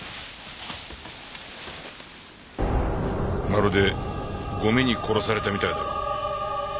まるでゴミに殺されたみたいだろう。